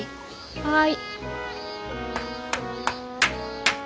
はい。